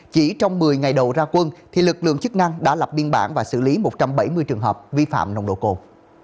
chỉ trong một mươi ngày đầu ra quân lực lượng chức năng đã lập biên bản và xử lý một trăm bảy mươi trường hợp vi phạm nồng độ cồn